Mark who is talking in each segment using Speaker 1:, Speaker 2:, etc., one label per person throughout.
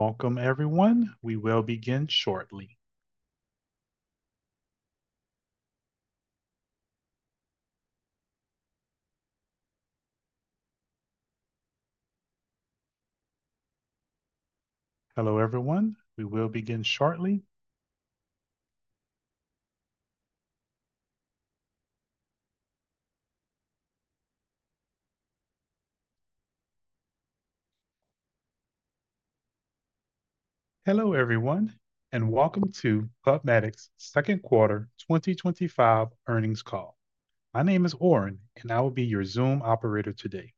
Speaker 1: Welcome, everyone. We will begin shortly. Hello, everyone. We will begin shortly. Hello, everyone, and welcome to PubMatic's second quarter 2025 earnings call. My name is Oren, and I will be your Zoom operator today.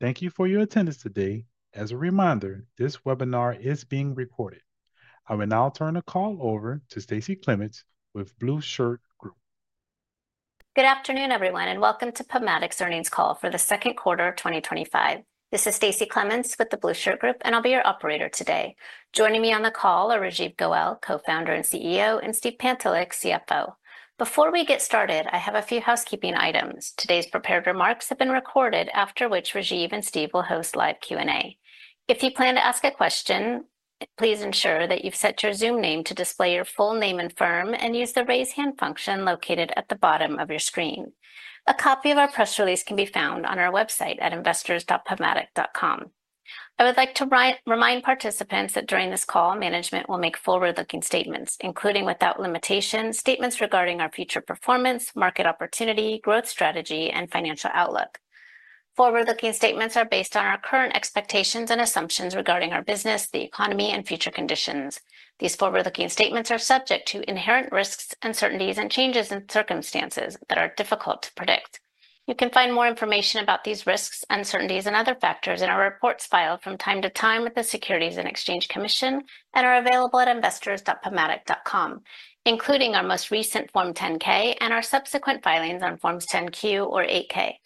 Speaker 1: Thank you for your attendance today. As a reminder, this webinar is being recorded. I will now turn the call over to Stacie Clements with The Blueshirt Group.
Speaker 2: Good afternoon, everyone, and welcome to PubMatic's earnings call for the second quarter of 2025. This is Stacie Clements with The Blueshirt Group, and I'll be your operator today. Joining me on the call are Rajeev Goel, Co-Founder and CEO, and Steve Pantelick, CFO. Before we get started, I have a few housekeeping items. Today's prepared remarks have been recorded, after which Rajeev and Steve will host live Q&A. If you plan to ask a question, please ensure that you've set your Zoom name to display your full name and firm, and use the raise hand function located at the bottom of your screen. A copy of our press release can be found on our website at investors.pubmatic.com. I would like to remind participants that during this call, management will make forward-looking statements, including without limitation, statements regarding our future performance, market opportunity, growth strategy, and financial outlook. Forward-looking statements are based on our current expectations and assumptions regarding our business, the economy, and future conditions. These forward-looking statements are subject to inherent risks, uncertainties, and changes in circumstances that are difficult to predict. You can find more information about these risks, uncertainties, and other factors in our reports filed from time to time with the Securities and Exchange Commission and are available at investors.pubmatic.com, including our most recent Form 10-K and our subsequent filings on Forms 10-Q or 8-K.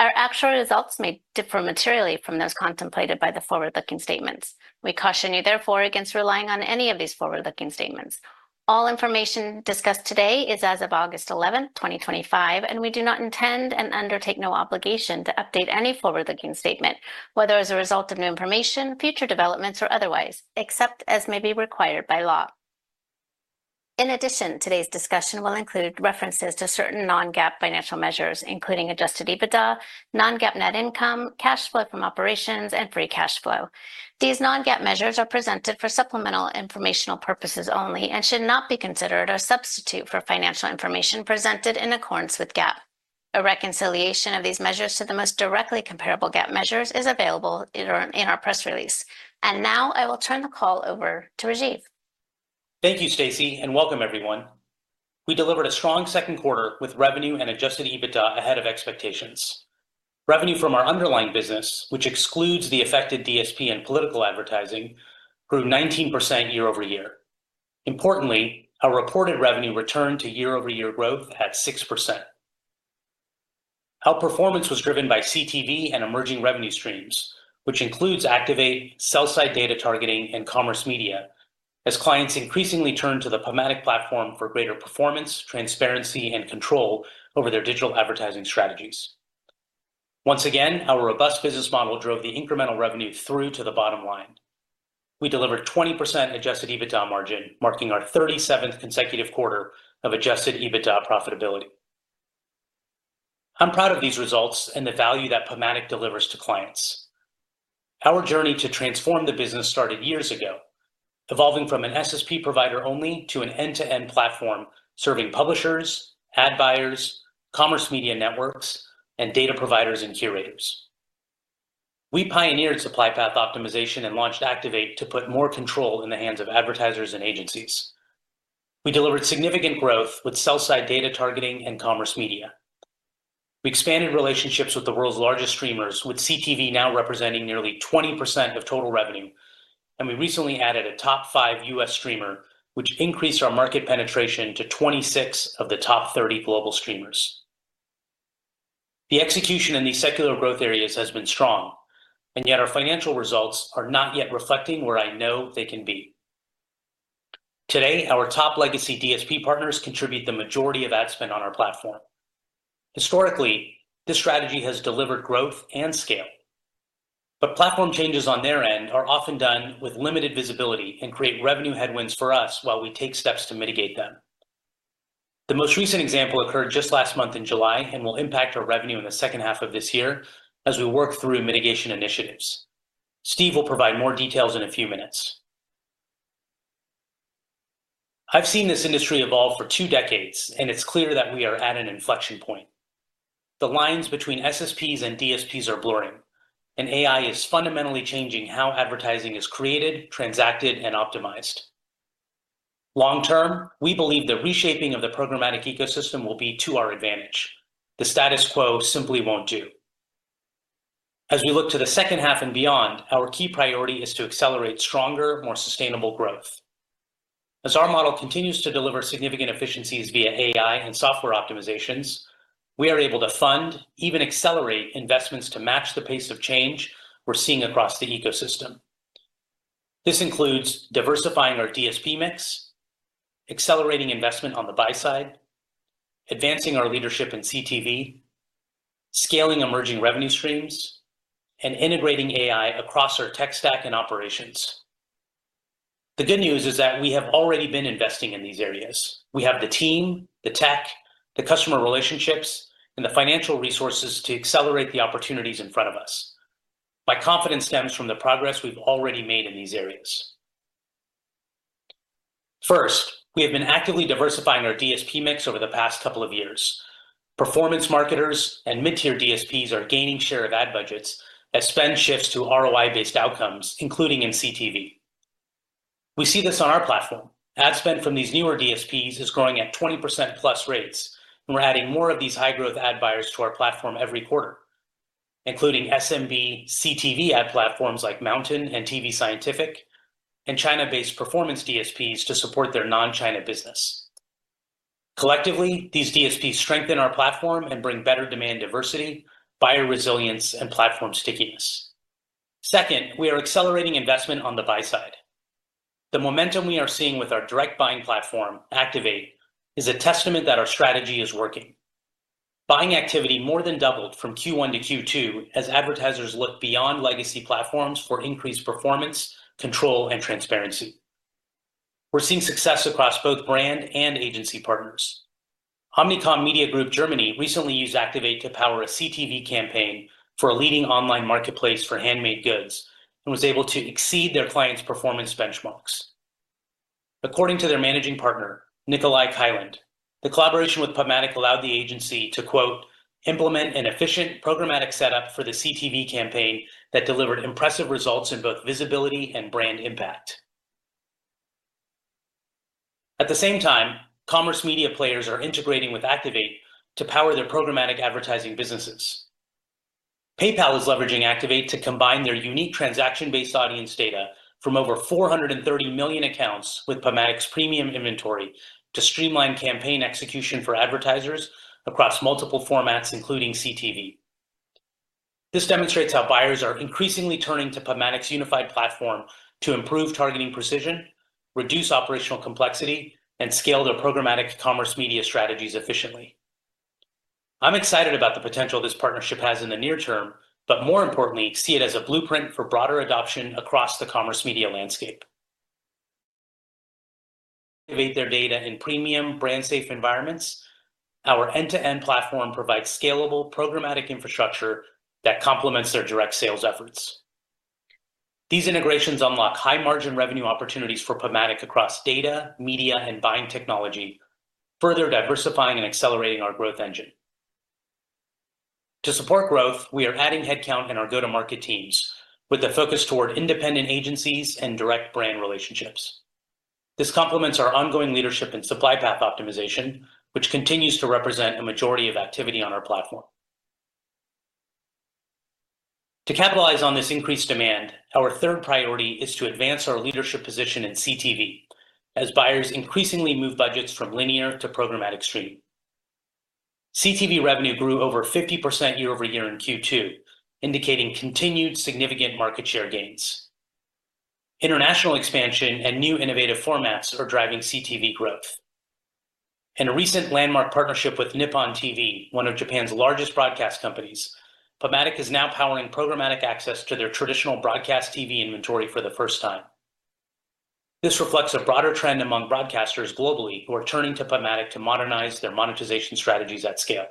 Speaker 2: Our actual results may differ materially from those contemplated by the forward-looking statements. We caution you, therefore, against relying on any of these forward-looking statements. All information discussed today is as of August 11, 2025, and we do not intend and undertake no obligation to update any forward-looking statement, whether as a result of new information, future developments, or otherwise, except as may be required by law. In addition, today's discussion will include references to certain non-GAAP financial measures, including adjusted EBITDA, non-GAAP net income, cash flow from operations, and free cash flow. These non-GAAP measures are presented for supplemental informational purposes only and should not be considered a substitute for financial information presented in accordance with GAAP. A reconciliation of these measures to the most directly comparable GAAP measures is available in our press release. Now I will turn the call over to Rajeev.
Speaker 3: Thank you, Stacie, and welcome, everyone. We delivered a strong second quarter with revenue and adjusted EBITDA ahead of expectations. Revenue from our underlying business, which excludes the affected DSP and political advertising, grew 19% year-over-year. Importantly, our reported revenue returned to year-over-year growth at 6%. Our performance was driven by CTV and emerging revenue streams, which includes Activate, sell-side data targeting, and commerce media, as clients increasingly turned to the PubMatic platform for greater performance, transparency, and control over their digital advertising strategies. Once again, our robust business model drove the incremental revenue through to the bottom line. We delivered 20% adjusted EBITDA margin, marking our 37th consecutive quarter of adjusted EBITDA profitability. I'm proud of these results and the value that PubMatic delivers to clients. Our journey to transform the business started years ago, evolving from an SSP provider only to an end-to-end platform serving publishers, ad buyers, commerce media networks, and data providers and curators. We pioneered supply path optimization and launched Activate to put more control in the hands of advertisers and agencies. We delivered significant growth with sell-side data targeting and commerce media. We expanded relationships with the world's largest streamers, with CTV now representing nearly 20% of total revenue, and we recently added a top five U.S. streamer, which increased our market penetration to 26 of the top 30 global streamers. The execution in these secular growth areas has been strong, yet our financial results are not yet reflecting where I know they can be. Today, our top legacy DSP partners contribute the majority of ad spend on our platform. Historically, this strategy has delivered growth and scale, but platform changes on their end are often done with limited visibility and create revenue headwinds for us while we take steps to mitigate them. The most recent example occurred just last month in July and will impact our revenue in the second half of this year as we work through mitigation initiatives. Steve will provide more details in a few minutes. I've seen this industry evolve for two decades, and it's clear that we are at an inflection point. The lines between SSPs and DSPs are blurring, and AI is fundamentally changing how advertising is created, transacted, and optimized. Long-term, we believe the reshaping of the programmatic ecosystem will be to our advantage. The status quo simply won't do. As we look to the second half and beyond, our key priority is to accelerate stronger, more sustainable growth. As our model continues to deliver significant efficiencies via AI and software optimizations, we are able to fund, even accelerate investments to match the pace of change we're seeing across the ecosystem. This includes diversifying our DSP mix, accelerating investment on the buy side, advancing our leadership in CTV, scaling emerging revenue streams, and integrating AI across our tech stack and operations. The good news is that we have already been investing in these areas. We have the team, the tech, the customer relationships, and the financial resources to accelerate the opportunities in front of us. My confidence stems from the progress we've already made in these areas. First, we have been actively diversifying our DSP mix over the past couple of years. Performance marketers and mid-tier DSPs are gaining share of ad budgets as spend shifts to ROI-based outcomes, including in CTV. We see this on our platform. Ad spend from these newer DSPs is growing at 20%+ rates, and we're adding more of these high-growth ad buyers to our platform every quarter, including SMB CTV ad platforms like MNTN and tvScientific and China-based performance DSPs to support their non-China business. Collectively, these DSPs strengthen our platform and bring better demand diversity, buyer resilience, and platform stickiness. Second, we are accelerating investment on the buy side. The momentum we are seeing with our direct buying platform, Activate, is a testament that our strategy is working. Buying activity more than doubled from Q1 to Q2 as advertisers look beyond legacy platforms for increased performance, control, and transparency. We're seeing success across both brand and agency partners. Omnicom Media Group Germany recently used Activate to power a CTV campaign for a leading online marketplace for handmade goods and was able to exceed their client's performance benchmarks. According to their Managing Partner, Nikolai Heiland, the collaboration with PubMatic allowed the agency to, quote, "implement an efficient programmatic setup for the CTV campaign that delivered impressive results in both visibility and brand impact." At the same time, commerce media players are integrating with Activate to power their programmatic advertising businesses. PayPal is leveraging Activate to combine their unique transaction-based audience data from over 430 million accounts with PubMatic's premium inventory to streamline campaign execution for advertisers across multiple formats, including CTV. This demonstrates how buyers are increasingly turning to PubMatic's unified platform to improve targeting precision, reduce operational complexity, and scale their programmatic commerce media strategies efficiently. I'm excited about the potential this partnership has in the near term, but more importantly, see it as a blueprint for broader adoption across the commerce media landscape. They've made their data in premium brand-safe environments. Our end-to-end platform provides scalable programmatic infrastructure that complements their direct sales efforts. These integrations unlock high margin revenue opportunities for PubMatic across data, media, and buying technology, further diversifying and accelerating our growth engine. To support growth, we are adding headcount in our go-to-market teams with a focus toward independent agencies and direct brand relationships. This complements our ongoing leadership in supply path optimization, which continues to represent a majority of activity on our platform. To capitalize on this increased demand, our third priority is to advance our leadership position in CTV as buyers increasingly move budgets from linear to programmatic stream. CTV revenue grew over 50% year-over-year in Q2, indicating continued significant market share gains. International expansion and new innovative formats are driving CTV growth. In a recent landmark partnership with Nippon TV, one of Japan's largest broadcast companies, PubMatic is now powering programmatic access to their traditional broadcast TV inventory for the first time. This reflects a broader trend among broadcasters globally who are turning to PubMatic to modernize their monetization strategies at scale.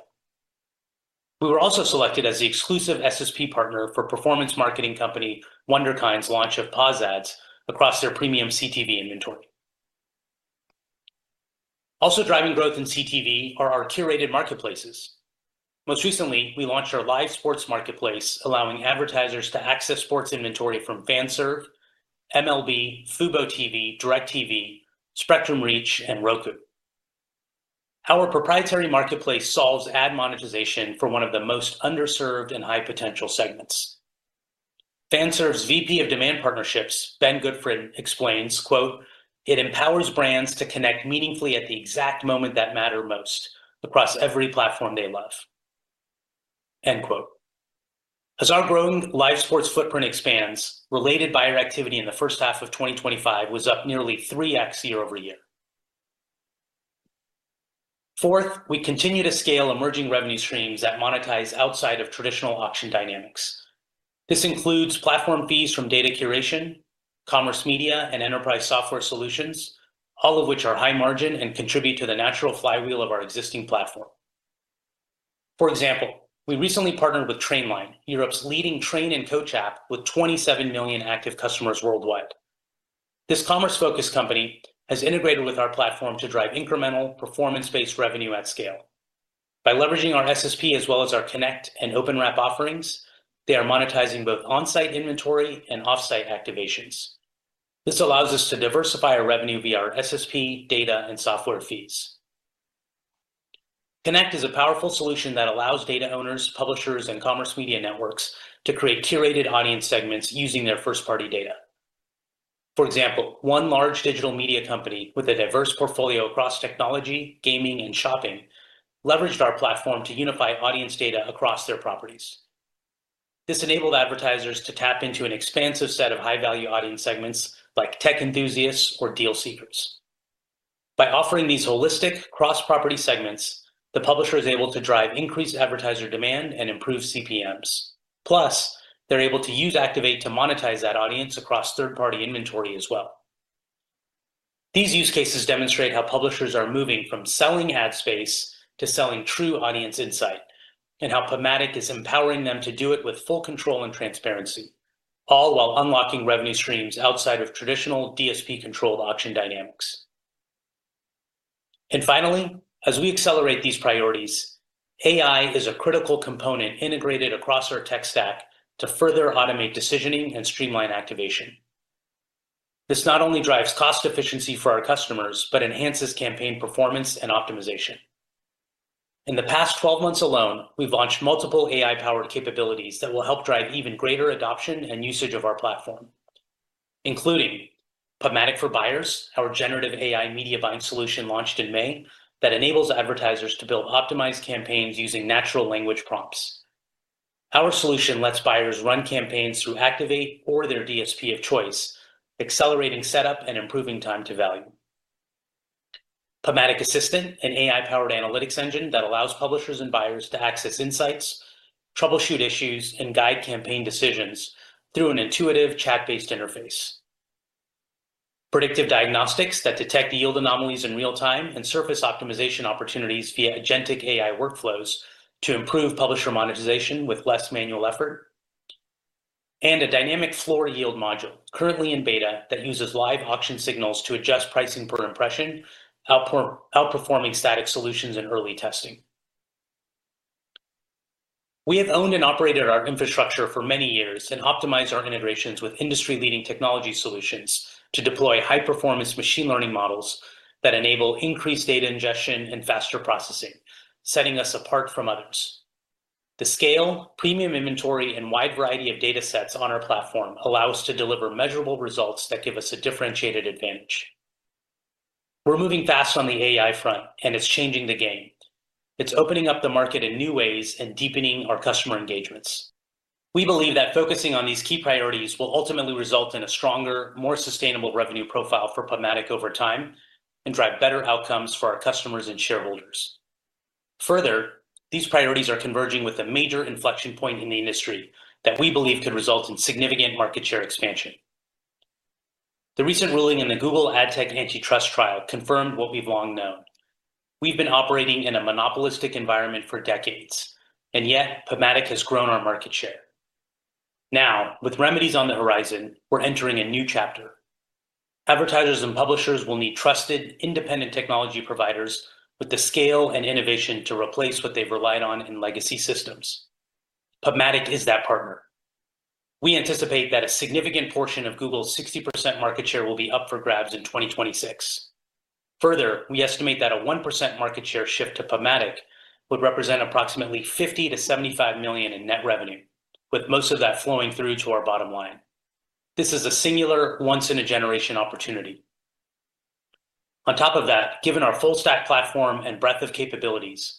Speaker 3: We were also selected as the exclusive SSP partner for performance marketing company WunderKIND's launch of Pause ads across their premium CTV inventory. Also driving growth in CTV are our curated marketplaces. Most recently, we launched our live sports marketplace, allowing advertisers to access sports inventory from FanServ, MLB, FuboTV, DirecTV, Spectrum Reach, and Roku. Our proprietary marketplace solves ad monetization for one of the most underserved and high-potential segments. FanServ's VP of Demand Partnerships, Ben Goodfriend, explains, quote, "It empowers brands to connect meaningfully at the exact moment that matter most across every platform they love." End quote. As our growing live sports footprint expands, related buyer activity in the first half of 2025 was up nearly 3x year-over-year. Fourth, we continue to scale emerging revenue streams that monetize outside of traditional auction dynamics. This includes platform fees from data curation, commerce media, and enterprise software solutions, all of which are high margin and contribute to the natural flywheel of our existing platform. For example, we recently partnered with Trainline, Europe's leading train and coach app with 27 million active customers worldwide. This commerce-focused company has integrated with our platform to drive incremental performance-based revenue at scale. By leveraging our SSP as well as our Connect and OpenWrap offerings, they are monetizing both onsite inventory and offsite activations. This allows us to diversify our revenue via our SSP, data, and software fees. Connect is a powerful solution that allows data owners, publishers, and commerce media networks to create curated audience segments using their first-party data. For example, one large digital media company with a diverse portfolio across technology, gaming, and shopping leveraged our platform to unify audience data across their properties. This enabled advertisers to tap into an expansive set of high-value audience segments like tech enthusiasts or deal seekers. By offering these holistic cross-property segments, the publisher is able to drive increased advertiser demand and improve CPMs. Plus, they're able to use Activate to monetize that audience across third-party inventory as well. These use cases demonstrate how publishers are moving from selling ad space to selling true audience insight and how PubMatic is empowering them to do it with full control and transparency, all while unlocking revenue streams outside of traditional DSP-controlled auction dynamics. Finally, as we accelerate these priorities, AI is a critical component integrated across our tech stack to further automate decisioning and streamline activation. This not only drives cost efficiency for our customers, but enhances campaign performance and optimization. In the past 12 months alone, we've launched multiple AI-powered capabilities that will help drive even greater adoption and usage of our platform, including PubMatic for Buyers, our generative AI media buying solution launched in May that enables advertisers to build optimized campaigns using natural language prompts. Our solution lets buyers run campaigns through Activate or their DSP of choice, accelerating setup and improving time to value. PubMatic Assistant, an AI-powered analytics engine, allows publishers and buyers to access insights, troubleshoot issues, and guide campaign decisions through an intuitive chat-based interface. Predictive diagnostics detects yield anomalies in real time and surfaces optimization opportunities via agentic AI workflows to improve publisher monetization with less manual effort. A dynamic floor yield module, currently in beta, uses live auction signals to adjust pricing per impression, outperforming static solutions in early testing. We have owned and operated our infrastructure for many years and optimized our integrations with industry-leading technology solutions to deploy high-performance machine learning models that enable increased data ingestion and faster processing, setting us apart from others. The scale, premium inventory, and wide variety of data sets on our platform allow us to deliver measurable results that give us a differentiated advantage. We are moving fast on the AI front, and it's changing the game. It's opening up the market in new ways and deepening our customer engagements. We believe that focusing on these key priorities will ultimately result in a stronger, more sustainable revenue profile for PubMatic over time and drive better outcomes for our customers and shareholders. Further, these priorities are converging with a major inflection point in the industry that we believe could result in significant market share expansion. The recent ruling in the Google ad tech antitrust trial confirmed what we've long known. We have been operating in a monopolistic environment for decades, and yet PubMatic has grown our market share. Now, with remedies on the horizon, we are entering a new chapter. Advertisers and publishers will need trusted, independent technology providers with the scale and innovation to replace what they've relied on in legacy systems. PubMatic is that partner. We anticipate that a significant portion of Google's 60% market share will be up for grabs in 2026. Further, we estimate that a 1% market share shift to PubMatic would represent approximately $50 million-$75 million in net revenue, with most of that flowing through to our bottom line. This is a singular once-in-a-generation opportunity. On top of that, given our full stack platform and breadth of capabilities,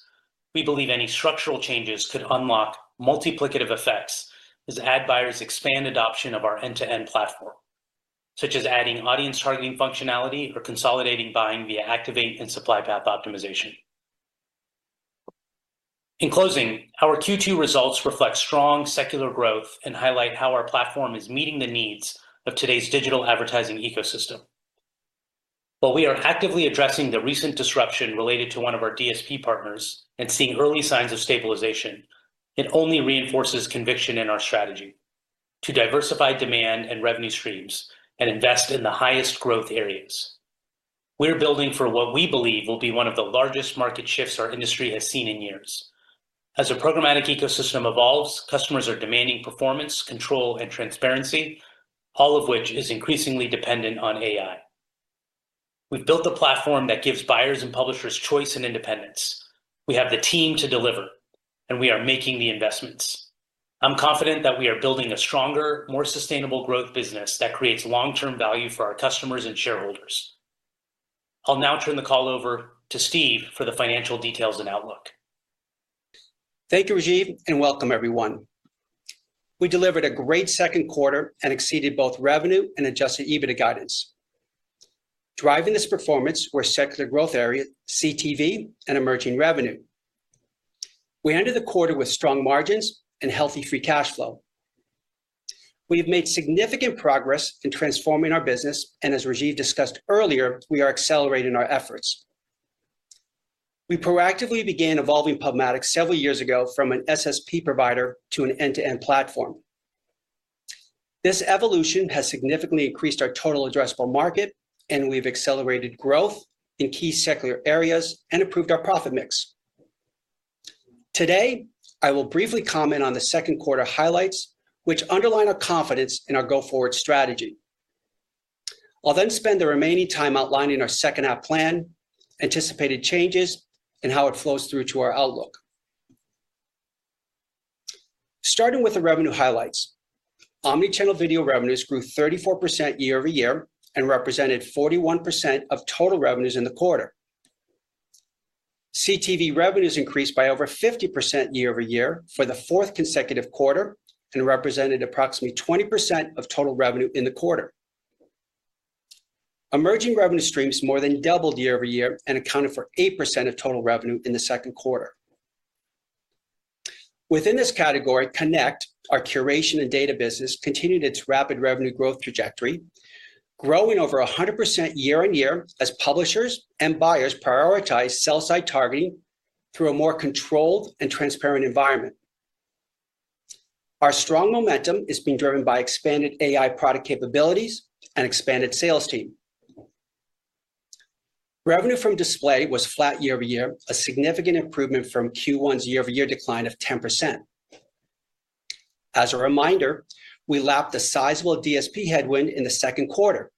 Speaker 3: we believe any structural changes could unlock multiplicative effects as ad buyers expand adoption of our end-to-end platform, such as adding audience targeting functionality or consolidating buying via Activate and supply path optimization. In closing, our Q2 results reflect strong secular growth and highlight how our platform is meeting the needs of today's digital advertising ecosystem. While we are actively addressing the recent disruption related to one of our DSP partners and seeing early signs of stabilization, it only reinforces conviction in our strategy to diversify demand and revenue streams and invest in the highest growth areas. We're building for what we believe will be one of the largest market shifts our industry has seen in years. As a programmatic ecosystem evolves, customers are demanding performance, control, and transparency, all of which is increasingly dependent on AI. We've built a platform that gives buyers and publishers choice and independence. We have the team to deliver, and we are making the investments. I'm confident that we are building a stronger, more sustainable growth business that creates long-term value for our customers and shareholders. I'll now turn the call over to Steve for the financial details and outlook.
Speaker 4: Thank you, Rajeev, and welcome, everyone. We delivered a great second quarter and exceeded both revenue and adjusted EBITDA guidance. Driving this performance were secular growth areas, CTV, and emerging revenue. We ended the quarter with strong margins and healthy free cash flow. We have made significant progress in transforming our business, and as Rajeev discussed earlier, we are accelerating our efforts. We proactively began evolving PubMatic several years ago from an SSP provider to an end-to-end platform. This evolution has significantly increased our total addressable market, and we've accelerated growth in key secular areas and improved our profit mix. Today, I will briefly comment on the second quarter highlights, which underline our confidence in our go-forward strategy. I'll then spend the remaining time outlining our second half plan, anticipated changes, and how it flows through to our outlook. Starting with the revenue highlights, omnichannel video revenues grew 34% year-over-year and represented 41% of total revenues in the quarter. CTV revenues increased by over 50% year-over-year for the fourth consecutive quarter and represented approximately 20% of total revenue in the quarter. Emerging revenue streams more than doubled year-over-year and accounted for 8% of total revenue in the second quarter. Within this category, Connect, our curation and data business, continued its rapid revenue growth trajectory, growing over 100% year on year as publishers and buyers prioritize sell-side targeting through a more controlled and transparent environment. Our strong momentum is being driven by expanded AI product capabilities and expanded sales team. Revenue from display was flat year-over-year, a significant improvement from Q1's year-over-year decline of 10%. As a reminder, we lapped a sizable DSP headwind in the second quarter,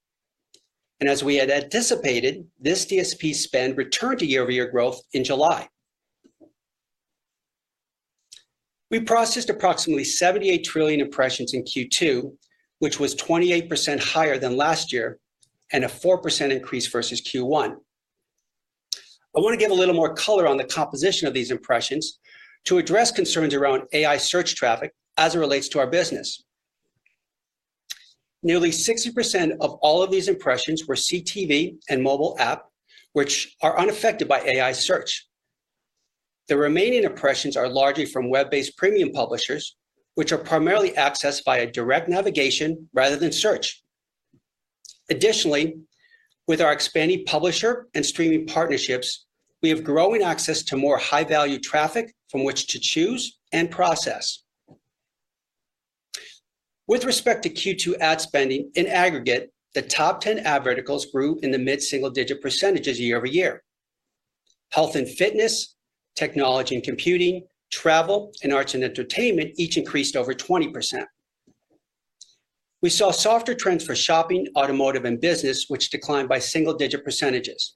Speaker 4: and as we had anticipated, this DSP spend returned to year-over-year growth in July. We processed approximately 78 trillion impressions in Q2, which was 28% higher than last year and a 4% increase versus Q1. I want to give a little more color on the composition of these impressions to address concerns around AI search traffic as it relates to our business. Nearly 60% of all of these impressions were CTV and mobile app, which are unaffected by AI search. The remaining impressions are largely from web-based premium publishers, which are primarily accessed via direct navigation rather than search. Additionally, with our expanding publisher and streaming partnerships, we have growing access to more high-value traffic from which to choose and process. With respect to Q2 ad spending in aggregate, the top 10 ad verticals grew in the mid-single-digit percentages year-over-year. Health and fitness, technology and computing, travel, and arts and entertainment each increased over 20%. We saw softer trends for shopping, automotive, and business, which declined by single-digit percentages.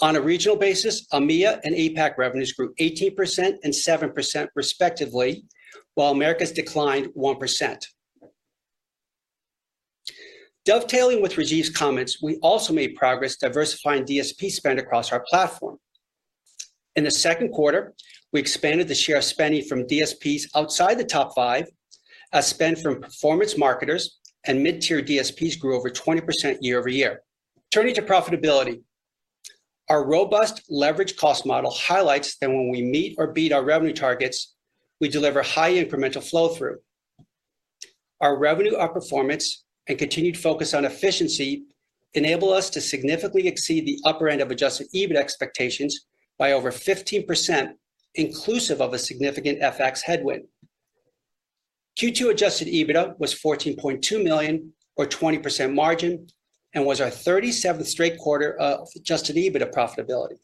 Speaker 4: On a regional basis, EMEA and APAC revenues grew 18% and 7% respectively, while Americas declined 1%. Dovetailing with Rajeev's comments, we also made progress diversifying DSP spend across our platform. In the second quarter, we expanded the share of spending from DSPs outside the top five as spend from performance marketers and mid-tier DSPs grew over 20% year-over-year. Turning to profitability, our robust leverage cost model highlights that when we meet or beat our revenue targets, we deliver high incremental flow-through. Our revenue outperformance and continued focus on efficiency enable us to significantly exceed the upper end of adjusted EBITDA expectations by over 15%, inclusive of a significant FX headwind. Q2 adjusted EBITDA was $14.2 million, or 20% margin, and was our 37th straight quarter of adjusted EBITDA profitability.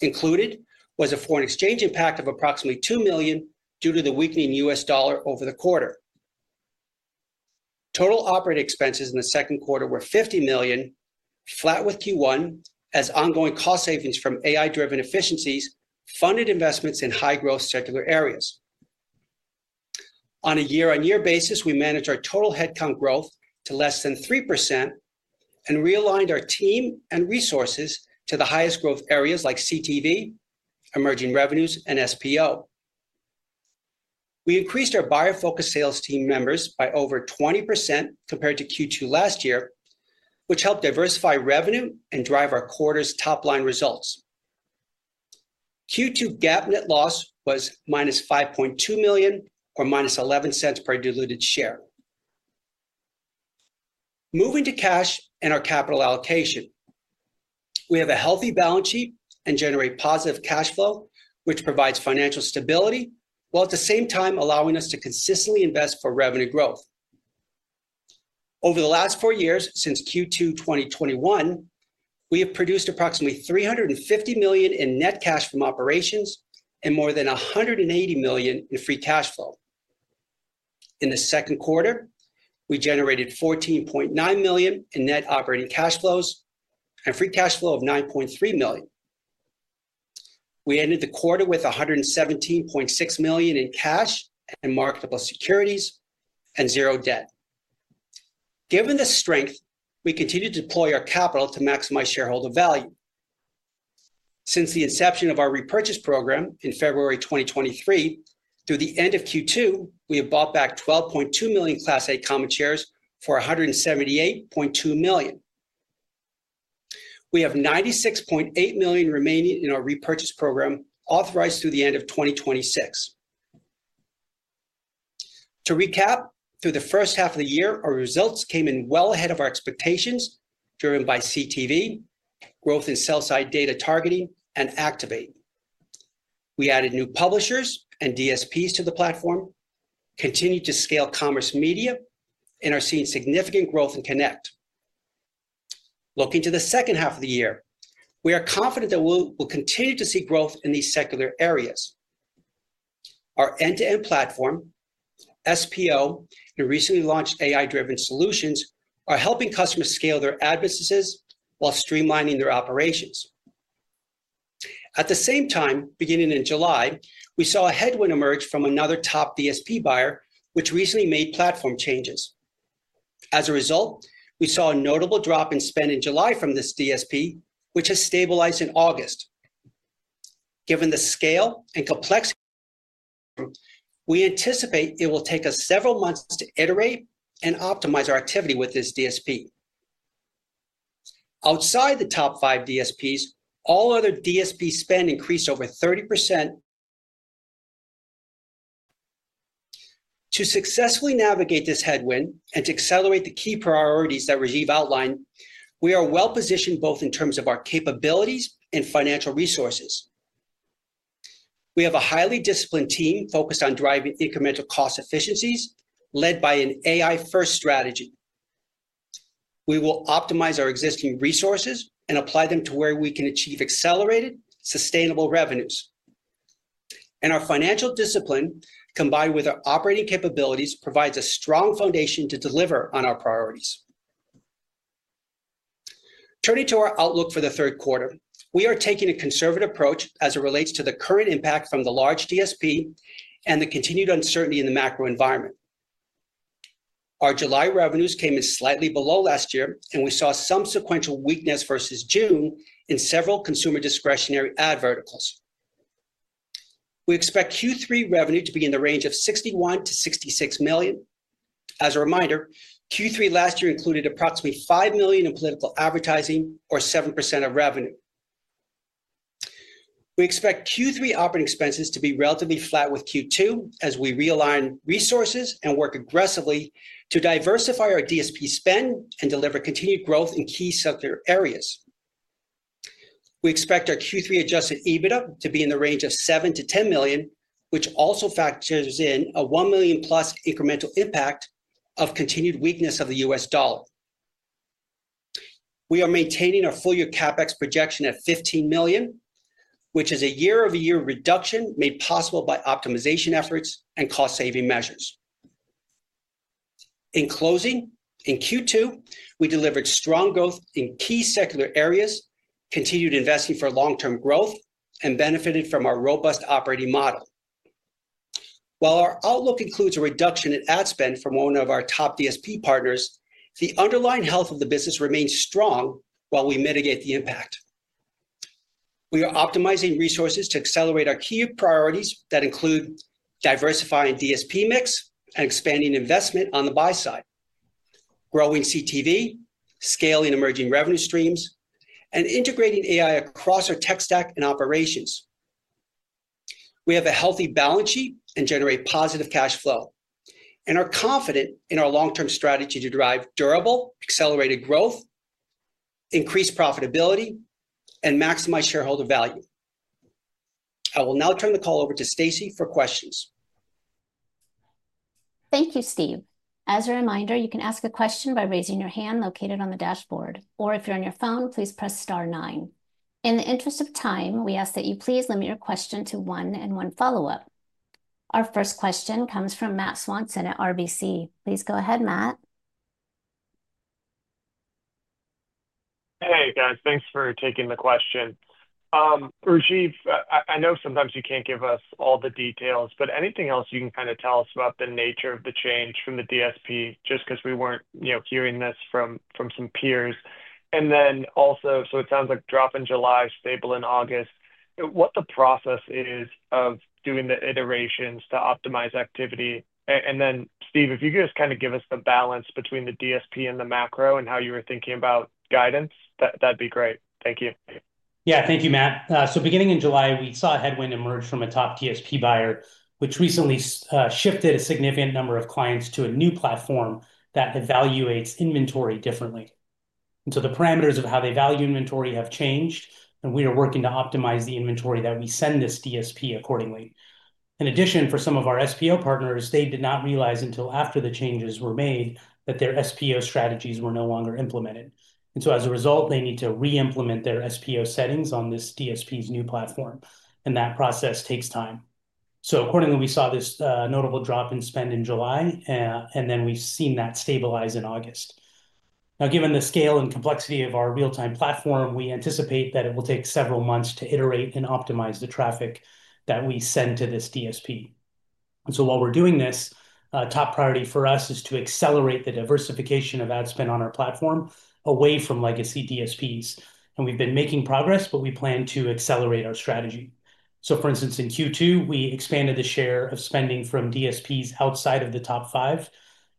Speaker 4: Included was a foreign exchange impact of approximately $2 million due to the weakening U.S. dollar over the quarter. Total operating expenses in the second quarter were $50 million, flat with Q1, as ongoing cost savings from AI-driven efficiencies funded investments in high-growth secular areas. On a year-on-year basis, we managed our total headcount growth to less than 3% and realigned our team and resources to the highest growth areas like CTV, emerging revenues, and SPO. We increased our buyer-focused sales team members by over 20% compared to Q2 last year, which helped diversify revenue and drive our quarter's top-line results. Q2 GAAP net loss was -$5.2 million, or -$0.11 per diluted share. Moving to cash and our capital allocation, we have a healthy balance sheet and generate positive cash flow, which provides financial stability while at the same time allowing us to consistently invest for revenue growth. Over the last four years, since Q2 2021, we have produced approximately $350 million in net cash from operations and more than $180 million in free cash flow. In the second quarter, we generated $14.9 million in net operating cash flows and free cash flow of $9.3 million. We ended the quarter with $117.6 million in cash and marketable securities and zero debt. Given the strength, we continue to deploy our capital to maximize shareholder value. Since the inception of our repurchase program in February 2023, through the end of Q2, we have bought back 12.2 million Class A common shares for $178.2 million. We have $96.8 million remaining in our repurchase program authorized through the end of 2026. To recap, through the first half of the year, our results came in well ahead of our expectations, driven by CTV, growth in sell-side data targeting, and Activate. We added new publishers and DSPs to the platform, continued to scale commerce media, and are seeing significant growth in Connect. Looking to the second half of the year, we are confident that we will continue to see growth in these secular areas. Our end-to-end platform, SPO, and recently launched AI-driven solutions are helping customers scale their ad businesses while streamlining their operations. At the same time, beginning in July, we saw a headwind emerge from another top DSP buyer, which recently made platform changes. As a result, we saw a notable drop in spend in July from this DSP, which has stabilized in August. Given the scale and complexity, we anticipate it will take us several months to iterate and optimize our activity with this DSP. Outside the top five DSPs, all other DSP spend increased over 30%. To successfully navigate this headwind and to accelerate the key priorities that Rajeev outlined, we are well positioned both in terms of our capabilities and financial resources. We have a highly disciplined team focused on driving incremental cost efficiencies led by an AI-first strategy. We will optimize our existing resources and apply them to where we can achieve accelerated, sustainable revenues. Our financial discipline, combined with our operating capabilities, provides a strong foundation to deliver on our priorities. Turning to our outlook for the third quarter, we are taking a conservative approach as it relates to the current impact from the large DSP and the continued uncertainty in the macro environment. Our July revenues came in slightly below last year, and we saw some sequential weakness versus June in several consumer discretionary ad verticals. We expect Q3 revenue to be in the range of $61 million-$66 million. As a reminder, Q3 last year included approximately $5 million in political advertising, or 7% of revenue. We expect Q3 operating expenses to be relatively flat with Q2 as we realign resources and work aggressively to diversify our DSP spend and deliver continued growth in key secular areas. We expect our Q3 adjusted EBITDA to be in the range of $7 million-$10 million, which also factors in a $1 million+ incremental impact of continued weakness of the U.S. dollar. We are maintaining our full-year CapEx projection at $15 million, which is a year-over-year reduction made possible by optimization efforts and cost-saving measures. In closing, in Q2, we delivered strong growth in key secular areas, continued investing for long-term growth, and benefited from our robust operating model. While our outlook includes a reduction in ad spend from one of our top DSP partners, the underlying health of the business remains strong while we mitigate the impact. We are optimizing resources to accelerate our key priorities that include diversifying DSP mix and expanding investment on the buy side, growing CTV, scaling emerging revenue streams, and integrating AI across our tech stack and operations. We have a healthy balance sheet and generate positive cash flow and are confident in our long-term strategy to drive durable, accelerated growth, increase profitability, and maximize shareholder value. I will now turn the call over to Stacie for questions.
Speaker 2: Thank you, Steve. As a reminder, you can ask a question by raising your hand located on the dashboard. If you're on your phone, please press star nine. In the interest of time, we ask that you please limit your question to one and one follow-up. Our first question comes from Matt Swanson at RBC. Please go ahead, Matt.
Speaker 5: Hey, guys, thanks for taking the question. Rajeev, I know sometimes you can't give us all the details, but anything else you can kind of tell us about the nature of the change from the DSP just because we weren't hearing this from some peers? Also, it sounds like drop in July, stable in August, what the process is of doing the iterations to optimize activity. Steve, if you could just kind of give us the balance between the DSP and the macro and how you were thinking about guidance, that'd be great. Thank you.
Speaker 3: Yeah, thank you, Matt. Beginning in July, we saw a headwind emerge from a top DSP buyer, which recently shifted a significant number of clients to a new platform that evaluates inventory differently. The parameters of how they value inventory have changed, and we are working to optimize the inventory that we send this DSP accordingly. In addition, for some of our SPO partners, they did not realize until after the changes were made that their SPO strategies were no longer implemented. As a result, they need to reimplement their SPO settings on this DSP's new platform, and that process takes time. Accordingly, we saw this notable drop in spend in July, and then we've seen that stabilize in August. Now, given the scale and complexity of our real-time platform, we anticipate that it will take several months to iterate and optimize the traffic that we send to this DSP. While we're doing this, a top priority for us is to accelerate the diversification of ad spend on our platform away from legacy DSPs. We've been making progress, but we plan to accelerate our strategy. For instance, in Q2, we expanded the share of spending from DSPs outside of the top five,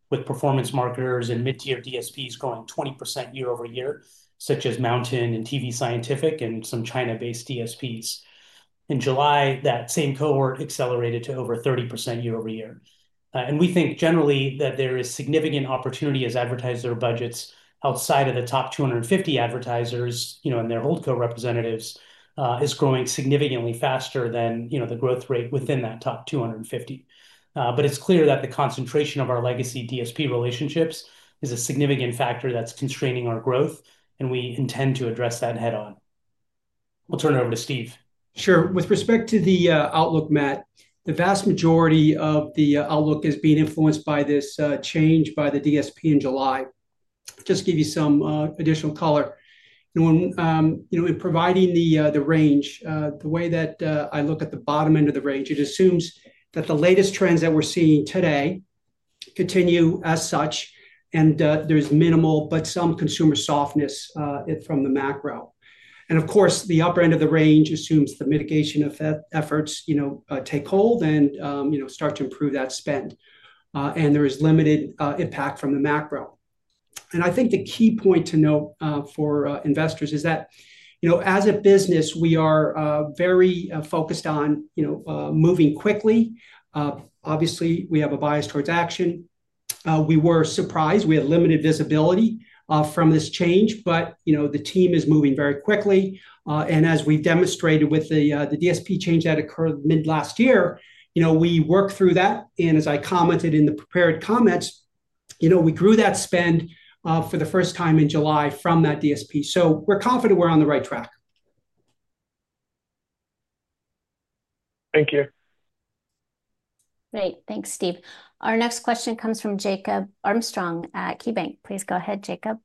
Speaker 3: with performance marketers and mid-tier DSPs growing 20% year-over-year, such as MNTN and tvScientific and some China-based DSPs. In July, that same cohort accelerated to over 30% year-over-year. We think generally that there is significant opportunity as advertiser budgets outside of the top 250 advertisers and their old core representatives are growing significantly faster than the growth rate within that top 250. It is clear that the concentration of our legacy DSP relationships is a significant factor that's constraining our growth, and we intend to address that head-on. We'll turn it over to Steve.
Speaker 4: Sure. With respect to the outlook, Matt, the vast majority of the outlook is being influenced by this change by the DSP in July. To give you some additional color, in providing the range, the way that I look at the bottom end of the range, it assumes that the latest trends that we're seeing today continue as such, and there's minimal, but some consumer softness from the macro. The upper end of the range assumes the mitigation efforts take hold and start to improve that spend, and there is limited impact from the macro. I think the key point to note for investors is that, as a business, we are very focused on moving quickly. Obviously, we have a bias towards action. We were surprised we had limited visibility from this change, but the team is moving very quickly. As we demonstrated with the DSP change that occurred mid-last year, we worked through that. As I commented in the prepared comments, we grew that spend for the first time in July from that DSP. We're confident we're on the right track.
Speaker 5: Thank you.
Speaker 2: Great. Thanks, Steve. Our next question comes from Jacob Armstrong at KeyBanc. Please go ahead, Jacob.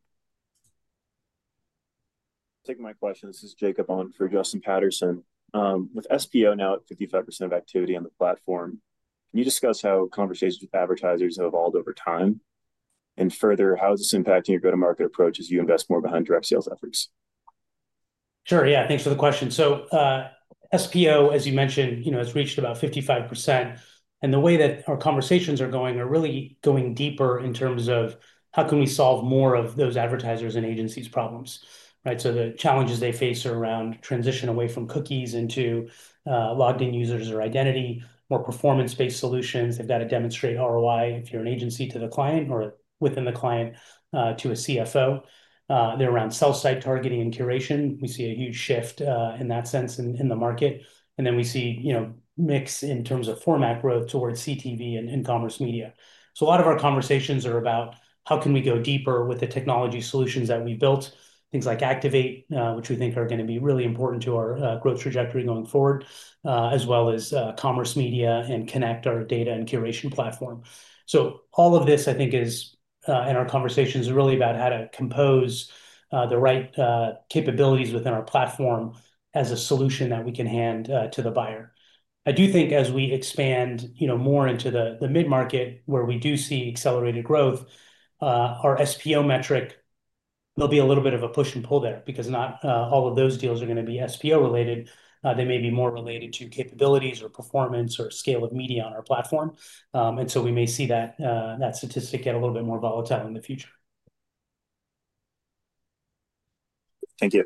Speaker 6: Thank you for my question. This is Jacob Armstrong. Justin Patterson. With SPO now at 55% of activity on the platform, can you discuss how conversations with advertisers have evolved over time? Further, how is this impacting your go-to-market approach as you invest more behind direct sales efforts?
Speaker 3: Sure. Yeah, thanks for the question. SPO, as you mentioned, has reached about 55%. The way that our conversations are going are really going deeper in terms of how can we solve more of those advertisers' and agencies' problems. The challenges they face are around transition away from cookies into logged-in users or identity, more performance-based solutions. They've got to demonstrate ROI if you're an agency to the client or within the client to a CFO. They're around sell-side targeting and curation. We see a huge shift in that sense in the market. We see a mix in terms of format growth towards CTV and commerce media. A lot of our conversations are about how can we go deeper with the technology solutions that we built, things like Activate, which we think are going to be really important to our growth trajectory going forward, as well as commerce media and Connect, our data and curation platform. All of this, I think, in our conversations is really about how to compose the right capabilities within our platform as a solution that we can hand to the buyer. I do think as we expand more into the mid-market where we do see accelerated growth, our SPO metric will be a little bit of a push and pull there because not all of those deals are going to be SPO related. They may be more related to capabilities or performance or scale of media on our platform. We may see that statistic get a little bit more volatile in the future.
Speaker 6: Thank you.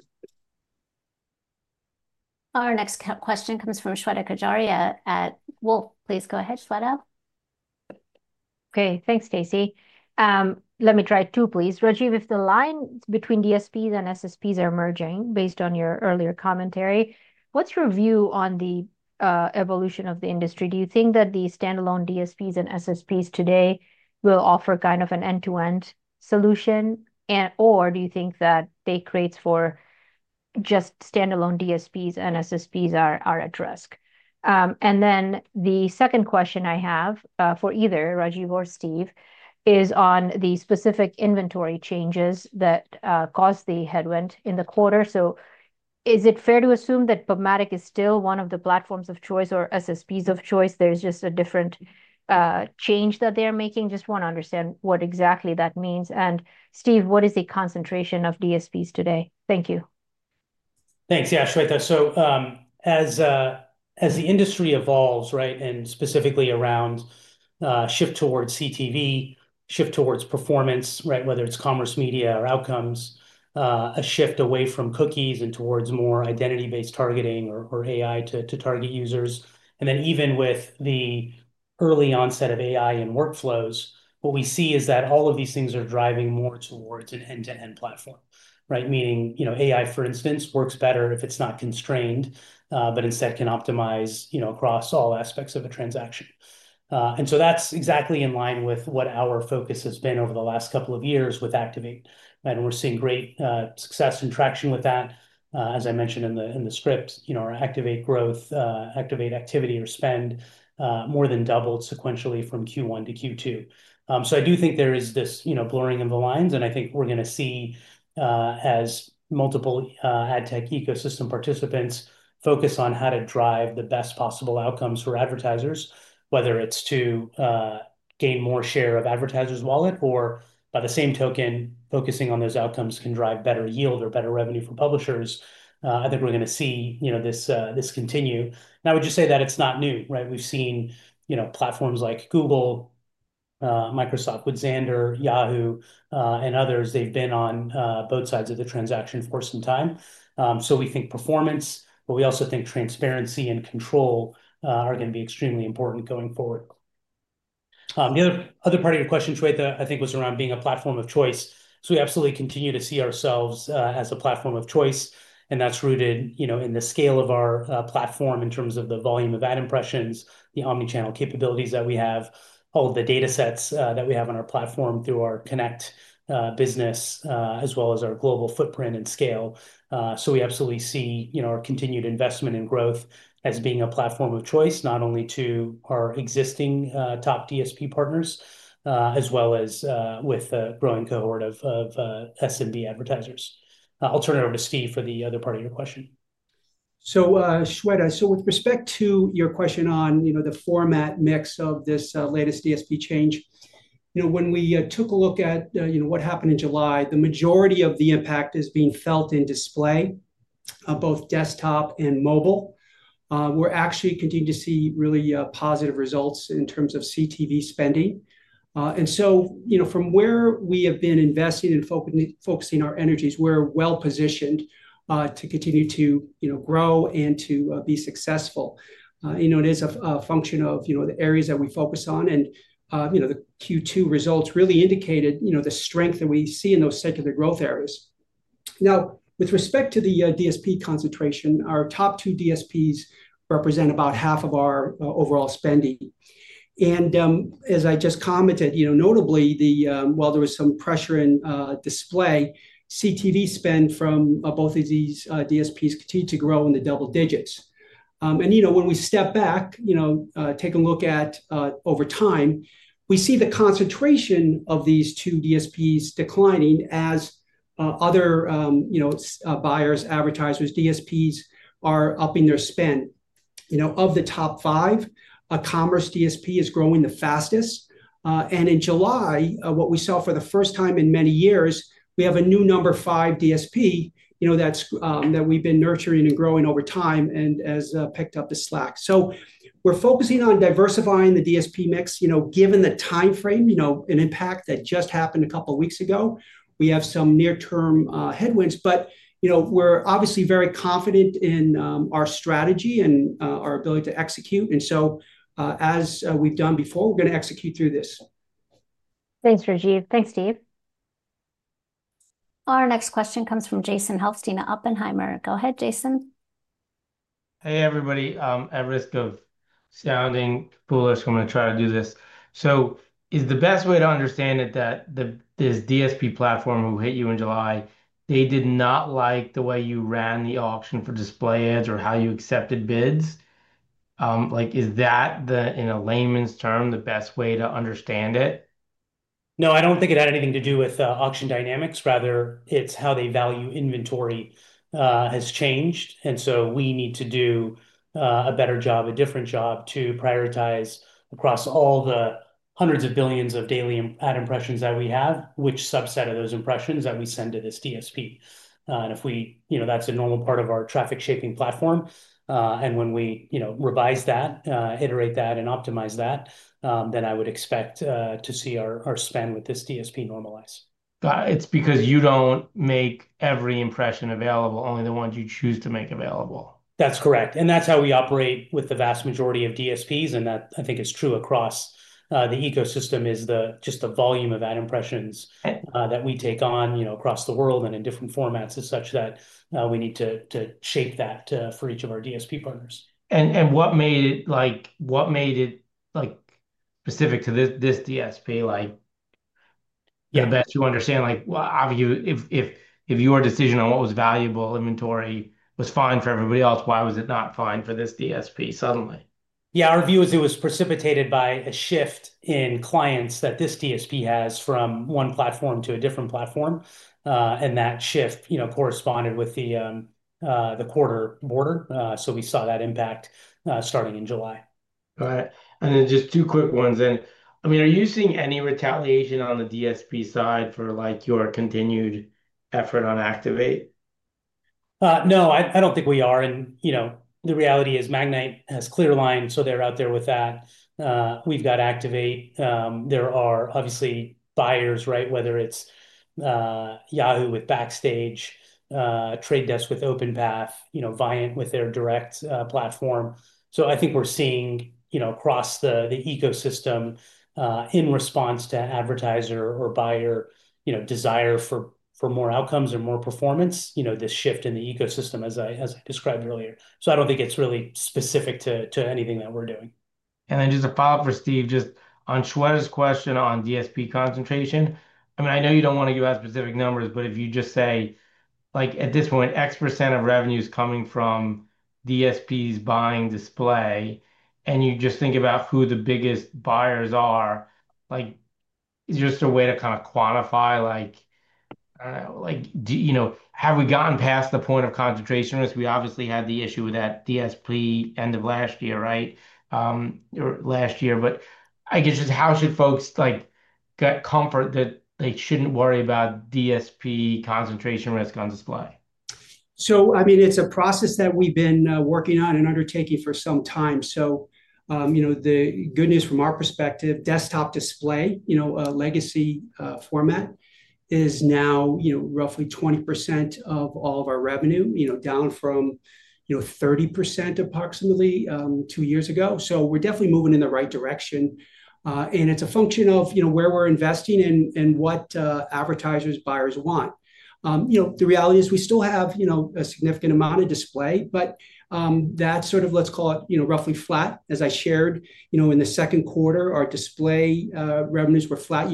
Speaker 2: Our next question comes from Shweta Khajuria at Wolfe. Please go ahead, Shweta.
Speaker 7: Okay, thanks, Stacie. Let me try two, please. Rajeev, if the lines between DSPs and SSPs are merging, based on your earlier commentary, what's your view on the evolution of the industry? Do you think that the standalone DSPs and SSPs today will offer kind of an end-to-end solution? Do you think that the creates for just standalone DSPs and SSPs are at risk? The second question I have for either Rajeev or Steve is on the specific inventory changes that caused the headwind in the quarter. Is it fair to assume that PubMatic is still one of the platforms of choice or SSPs of choice? There's just a different change that they're making. I just want to understand what exactly that means. Steve, what is the concentration of DSPs today? Thank you.
Speaker 3: Thanks. Yeah, Shweta. As the industry evolves, and specifically around a shift towards CTV, a shift towards performance, whether it's commerce media or outcomes, a shift away from cookies and towards more identity-based targeting or AI to target users, and then even with the early onset of AI in workflows, what we see is that all of these things are driving more towards an end-to-end platform. Meaning, you know, AI, for instance, works better if it's not constrained, but instead can optimize across all aspects of a transaction. That's exactly in line with what our focus has been over the last couple of years with Activate, and we're seeing great success and traction with that. As I mentioned in the script, our Activate growth, Activate activity or spend more than doubled sequentially from Q1 to Q2. I do think there is this blurring of the lines. I think we're going to see as multiple ad tech ecosystem participants focus on how to drive the best possible outcomes for advertisers, whether it's to gain more share of advertisers' wallet or, by the same token, focusing on those outcomes can drive better yield or better revenue for publishers. I think we're going to see this continue. I would just say that it's not new. We've seen platforms like Google, Microsoft with Xandr, Yahoo, and others, they've been on both sides of the transaction for some time. We think performance, but we also think transparency and control are going to be extremely important going forward. The other part of your question, Shweta, I think was around being a platform of choice. We absolutely continue to see ourselves as a platform of choice, and that's rooted in the scale of our platform in terms of the volume of ad impressions, the omnichannel capabilities that we have, all of the data sets that we have on our platform through our Connect business, as well as our global footprint and scale. We absolutely see our continued investment and growth as being a platform of choice, not only to our existing top DSP partners, as well as with the growing cohort of SMB advertisers. I'll turn it over to Steve for the other part of your question.
Speaker 4: Shweta, with respect to your question on the format mix of this latest DSP change, when we took a look at what happened in July, the majority of the impact is being felt in display, both desktop and mobile. We're actually continuing to see really positive results in terms of CTV spending. From where we have been investing and focusing our energies, we're well positioned to continue to grow and to be successful. It is a function of the areas that we focus on. The Q2 results really indicated the strength that we see in those secular growth areas. With respect to the DSP concentration, our top two DSPs represent about half of our overall spending. As I just commented, notably, while there was some pressure in display, CTV spend from both of these DSPs continued to grow in the double digits. When we step back and take a look over time, we see the concentration of these two DSPs declining as other buyers, advertisers, DSPs are upping their spend. Of the top five, a commerce DSP is growing the fastest. In July, what we saw for the first time in many years, we have a new number five DSP that we've been nurturing and growing over time and has picked up the slack. We're focusing on diversifying the DSP mix, given the timeframe and impact that just happened a couple of weeks ago. We have some near-term headwinds, but we're obviously very confident in our strategy and our ability to execute. As we've done before, we're going to execute through this.
Speaker 2: Thanks, Rajeev. Thanks, Steve. Our next question comes from Jason Helfstein at Oppenheimer. Go ahead, Jason.
Speaker 8: Hey, everybody. At risk of sounding foolish, I'm going to try to do this. Is the best way to understand it that this DSP platform who hit you in July did not like the way you ran the auction for display ads or how you accepted bids? Is that, in a layman's term, the best way to understand it?
Speaker 3: No, I don't think it had anything to do with auction dynamics. Rather, it's how they value inventory has changed. We need to do a better job, a different job to prioritize across all the hundreds of billions of daily ad impressions that we have, which subset of those impressions that we send to this DSP. That's a normal part of our traffic shaping platform. When we revise that, iterate that, and optimize that, I would expect to see our spend with this DSP normalize.
Speaker 8: It's because you don't make every impression available, only the ones you choose to make available.
Speaker 3: That's correct. That is how we operate with the vast majority of DSPs. I think that is true across the ecosystem, as the volume of ad impressions that we take on across the world and in different formats is such that we need to shape that for each of our DSP partners.
Speaker 8: What made it specific to this DSP? I bet you understand, obviously, if your decision on what was valuable inventory was fine for everybody else, why was it not fine for this DSP suddenly?
Speaker 3: Yeah, our view is it was precipitated by a shift in clients that this DSP has from one platform to a different platform. That shift, you know, corresponded with the quarter border. We saw that impact starting in July.
Speaker 8: All right. Just two quick ones then. Are you seeing any retaliation on the DSP side for your continued effort on Activate?
Speaker 3: No, I don't think we are. The reality is Magnite has ClearLine, so they're out there with that. We've got Activate. There are obviously buyers, whether it's Yahoo with Backstage, The Trade Desk with OpenPath, Viant with their Direct platform. I think we're seeing across the ecosystem, in response to advertiser or buyer desire for more outcomes or more performance, this shift in the ecosystem, as I described earlier. I don't think it's really specific to anything that we're doing.
Speaker 8: Just a pop for Steve, just on Shweta's question on DSP concentration. I know you don't want to give out specific numbers, but if you just say, like, at this point, X% of revenue is coming from DSPs buying display, and you just think about who the biggest buyers are, is there just a way to kind of quantify, like, you know, have we gotten past the point of concentration risk? We obviously had the issue with that DSP end of last year, right? Last year. I guess just how should folks, like, get comfort that they shouldn't worry about DSP concentration risk on display?
Speaker 4: It's a process that we've been working on and undertaking for some time. The good news from our perspective, desktop display, a legacy format, is now roughly 20% of all of our revenue, down from 30% approximately two years ago. We're definitely moving in the right direction, and it's a function of where we're investing and what advertisers, buyers want. The reality is we still have a significant amount of display, but that's sort of, let's call it, roughly flat. As I shared, in the second quarter, our display revenues were flat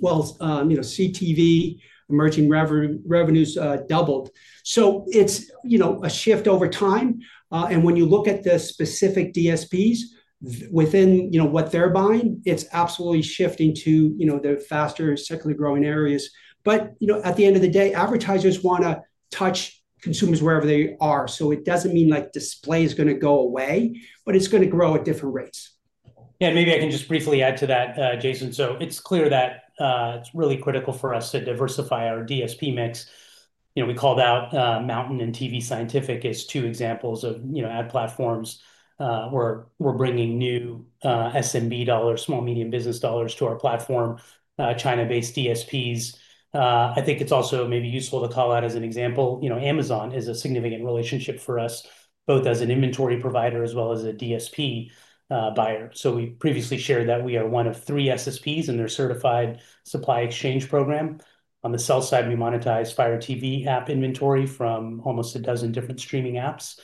Speaker 4: year-over-year. CTV emerging revenues doubled. It's a shift over time. When you look at the specific DSPs within what they're buying, it's absolutely shifting to the faster secular growing areas. At the end of the day, advertisers want to touch consumers wherever they are. It doesn't mean display is going to go away, but it's going to grow at different rates.
Speaker 3: Yeah. Maybe I can just briefly add to that, Jason. It's clear that it's really critical for us to diversify our DSP mix. We called out MNTN and tvScientific as two examples of ad platforms. We're bringing new SMB dollars, small medium business dollars, to our platform, China-based DSPs. I think it's also maybe useful to call out as an example, Amazon is a significant relationship for us, both as an inventory provider as well as a DSP buyer. We previously shared that we are one of three SSPs in their certified supply exchange program. On the sell side, we monetize Fire TV app inventory from almost a dozen different streaming apps.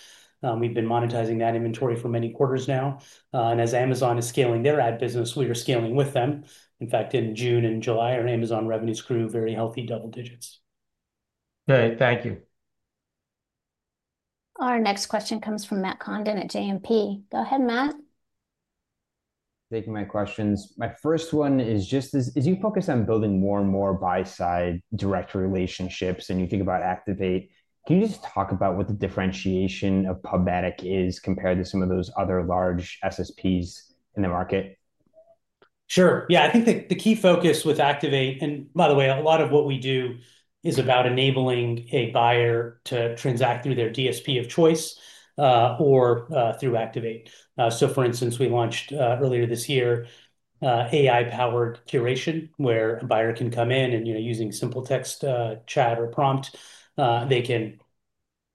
Speaker 3: We've been monetizing that inventory for many quarters now. As Amazon is scaling their ad business, we are scaling with them. In fact, in June and July, our Amazon revenues grew very healthy double digits.
Speaker 8: All right, thank you.
Speaker 2: Our next question comes from Matt Condon at JMP. Go ahead, Matt.
Speaker 9: Thank you for my questions. My first one is just as you focus on building more and more buy-side direct relationships and you think about Activate, can you just talk about what the differentiation of PubMatic is compared to some of those other large SSPs in the market?
Speaker 3: Sure. Yeah, I think the key focus with Activate, and by the way, a lot of what we do is about enabling a buyer to transact through their DSP of choice or through Activate. For instance, we launched earlier this year AI-powered curation, where a buyer can come in and, you know, using simple text chat or prompt, they can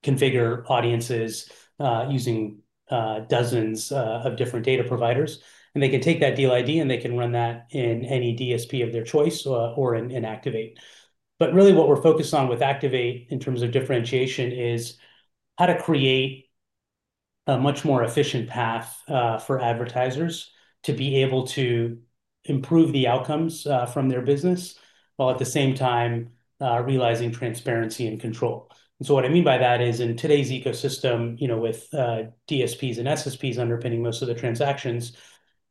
Speaker 3: configure audiences using dozens of different data providers. They can take that deal ID and they can run that in any DSP of their choice or in Activate. What we're focused on with Activate in terms of differentiation is how to create a much more efficient path for advertisers to be able to improve the outcomes from their business while at the same time realizing transparency and control. What I mean by that is in today's ecosystem, you know, with DSPs and SSPs underpinning most of the transactions,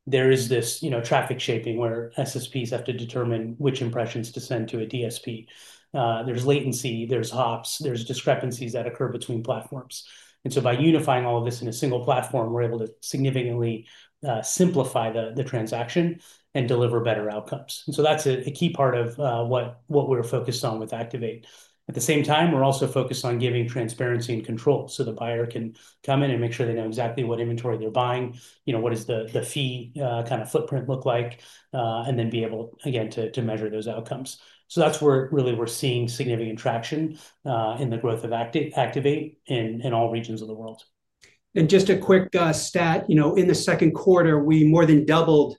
Speaker 3: there is this, you know, traffic shaping where SSPs have to determine which impressions to send to a DSP. There's latency, there's hops, there's discrepancies that occur between platforms. By unifying all of this in a single platform, we're able to significantly simplify the transaction and deliver better outcomes. That's a key part of what we're focused on with Activate. At the same time, we're also focused on giving transparency and control. The buyer can come in and make sure they know exactly what inventory they're buying, you know, what does the fee kind of footprint look like, and then be able, again, to measure those outcomes. That's where really we're seeing significant traction in the growth of Activate in all regions of the world.
Speaker 4: In the second quarter, we more than doubled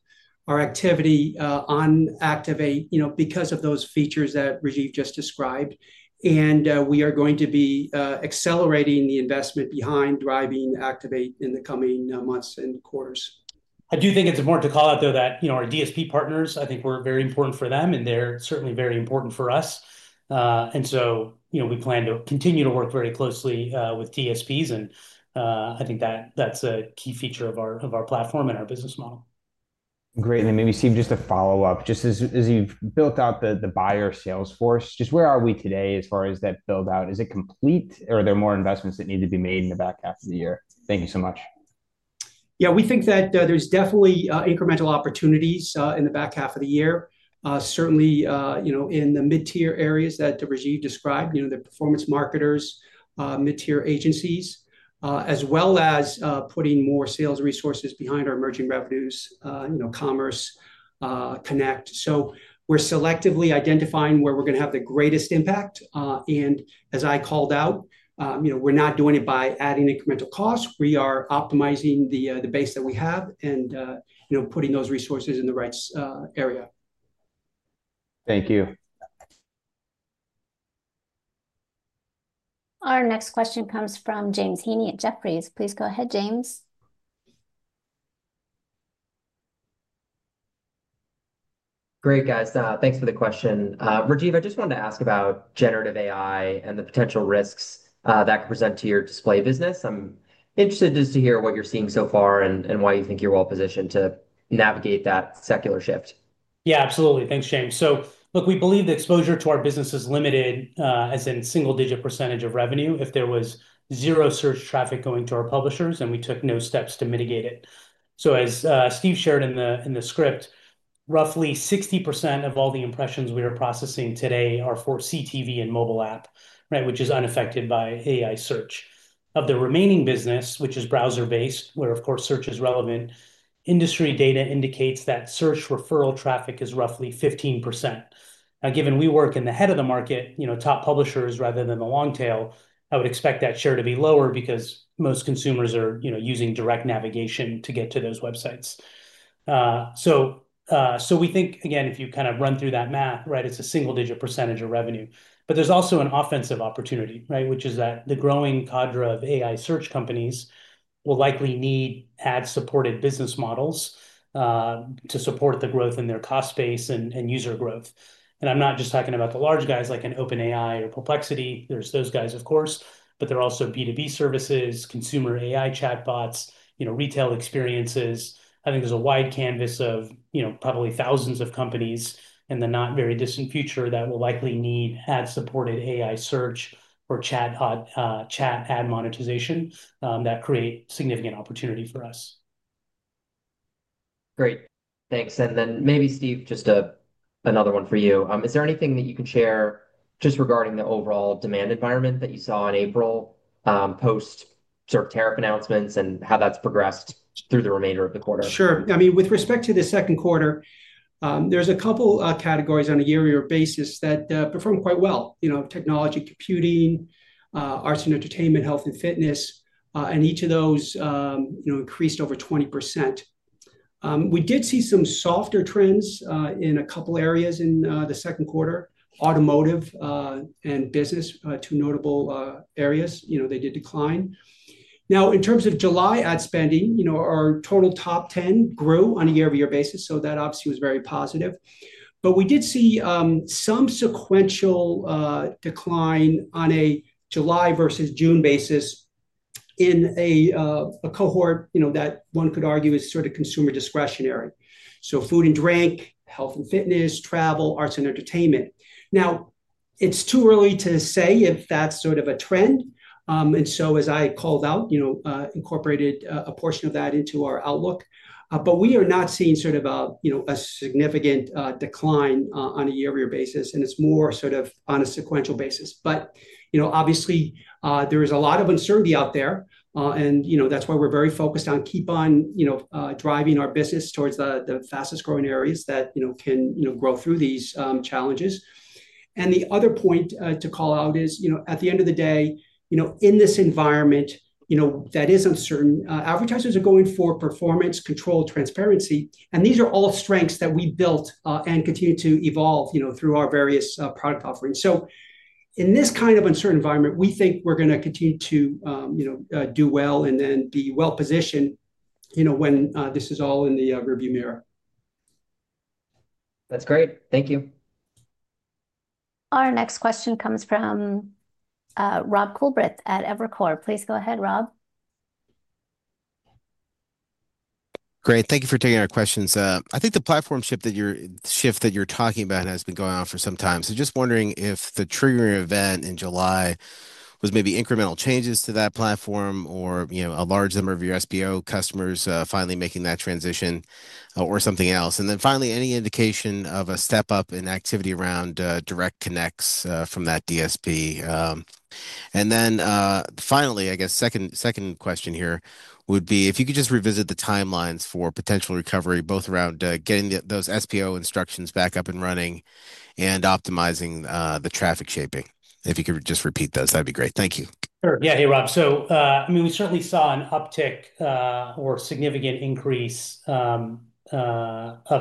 Speaker 4: our activity on Activate because of those features that Rajeev just described. We are going to be accelerating the investment behind driving Activate in the coming months and quarters.
Speaker 3: I do think it's important to call out that our DSP partners, I think we're very important for them, and they're certainly very important for us. We plan to continue to work very closely with DSPs, and I think that that's a key feature of our platform and our business model.
Speaker 9: Great. Steve, just a follow-up. Just as you've built out the buyer sales force, just where are we today as far as that build-out? Is it complete, or are there more investments that need to be made in the back half of the year? Thank you so much.
Speaker 4: Yeah, we think that there's definitely incremental opportunities in the back half of the year, certainly in the mid-tier areas that Rajeev described, the performance marketers, mid-tier agencies, as well as putting more sales resources behind our emerging revenues, commerce, Connect. We're selectively identifying where we're going to have the greatest impact. As I called out, we're not doing it by adding incremental costs. We are optimizing the base that we have and putting those resources in the right area.
Speaker 9: Thank you.
Speaker 2: Our next question comes from James Heaney at Jefferies. Please go ahead, James.
Speaker 10: Great, guys. Thanks for the question. Rajeev, I just wanted to ask about generative AI and the potential risks that could present to your display business. I'm interested just to hear what you're seeing so far and why you think you're well positioned to navigate that secular shift.
Speaker 3: Yeah, absolutely. Thanks, James. We believe the exposure to our business is limited, as in single-digit percentage of revenue. If there was zero search traffic going to our publishers and we took no steps to mitigate it, as Steve shared in the script, roughly 60% of all the impressions we are processing today are for CTV and mobile app, which is unaffected by AI search. Of the remaining business, which is browser-based where, of course, search is relevant, industry data indicates that search referral traffic is roughly 15%. Given we work in the head of the market, you know, top publishers rather than the long tail, I would expect that share to be lower because most consumers are using direct navigation to get to those websites. We think, again, if you kind of run through that math, it's a single-digit percentage of revenue. There's also an offensive opportunity, which is that the growing cadre of AI search companies will likely need ad-supported business models to support the growth in their cost base and user growth. I'm not just talking about the large guys like an OpenAI or Perplexity. There are those guys, of course, but there are also B2B services, consumer AI chatbots, retail experiences. I think there's a wide canvas of probably thousands of companies in the not very distant future that will likely need ad-supported AI search or chat ad monetization that create significant opportunities for us.
Speaker 10: Great. Thanks. Maybe, Steve, just another one for you. Is there anything that you could share regarding the overall demand environment that you saw in April post-tariff announcements and how that's progressed through the remainder of the quarter?
Speaker 4: Sure. I mean, with respect to the second quarter, there's a couple of categories on a year-to-year basis that performed quite well. Technology, computing, arts and entertainment, health and fitness, and each of those increased over 20%. We did see some softer trends in a couple of areas in the second quarter, automotive and business, two notable areas, they did decline. Now, in terms of July ad spending, our total top 10 grew on a year-to-year basis. That obviously was very positive. We did see some sequential decline on a July versus June basis in a cohort that one could argue is sort of consumer discretionary, so food and drink, health and fitness, travel, arts and entertainment. It's too early to say if that's sort of a trend. As I called out, incorporated a portion of that into our outlook. We are not seeing a significant decline on a year-to-year basis. It's more on a sequential basis. Obviously, there is a lot of uncertainty out there. That's why we're very focused on keep on driving our business towards the fastest growing areas that can grow through these challenges. The other point to call out is, at the end of the day, in this environment that is uncertain, advertisers are going for performance, control, transparency. These are all strengths that we built and continue to evolve through our various product offerings. In this kind of uncertain environment, we think we're going to continue to do well and then be well positioned when this is all in the rearview mirror.
Speaker 10: That's great. Thank you.
Speaker 2: Our next question comes from Rob Coolbrith at Evercore. Please go ahead, Rob.
Speaker 11: Great. Thank you for taking our questions. I think the platform shift that you're talking about has been going on for some time. Just wondering if the triggering event in July was maybe incremental changes to that platform or a large number of your SBO customers finally making that transition or something else. Finally, any indication of a step up in activity around direct connects from that DSP? I guess the second question here would be if you could just revisit the timelines for potential recovery, both around getting those SBO instructions back up and running and optimizing the traffic shaping. If you could just repeat those, that'd be great. Thank you.
Speaker 3: Sure. Yeah, hey, Rob. We certainly saw an uptick or significant increase of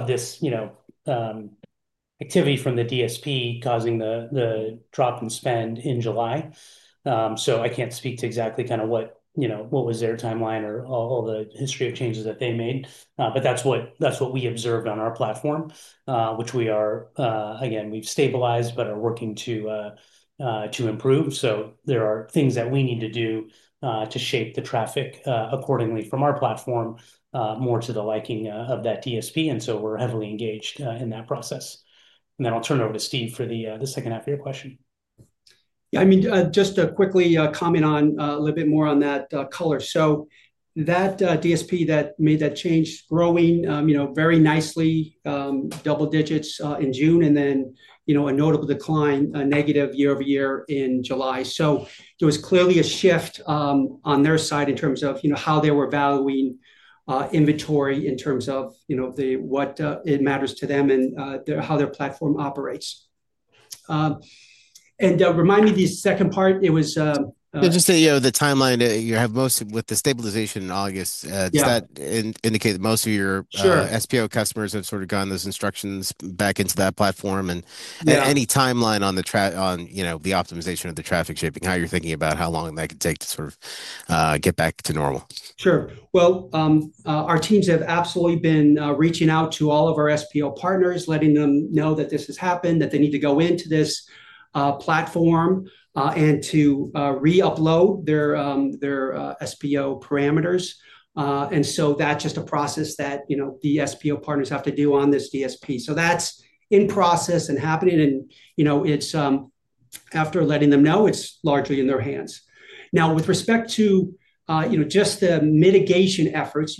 Speaker 3: this activity from the DSP causing the drop in spend in July. I can't speak to exactly what was their timeline or all the history of changes that they made, but that's what we observed on our platform, which we've stabilized but are working to improve. There are things that we need to do to shape the traffic accordingly from our platform more to the liking of that DSP, and we're heavily engaged in that process. I'll turn it over to Steve for the second half of your question.
Speaker 4: Yeah, just to quickly comment on a little bit more on that color. That DSP that made that change is growing very nicely, double digits in June, and then a notable decline, a negative year-over-year in July. There was clearly a shift on their side in terms of how they were valuing inventory, in terms of what matters to them and how their platform operates. Remind me the second part. It was.
Speaker 11: Just the timeline that you have most with the stabilization in August. Does that indicate that most of your SBO customers have sort of gotten those instructions back into that platform? Any timeline on the optimization of the traffic shaping, how you're thinking about how long that could take to sort of get back to normal?
Speaker 4: Sure. Our teams have absolutely been reaching out to all of our SBO partners, letting them know that this has happened, that they need to go into this platform and to re-upload their SBO parameters. That's just a process that the SBO partners have to do on this DSP. That's in process and happening. After letting them know, it's largely in their hands. Now, with respect to the mitigation efforts,